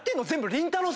りんたろー。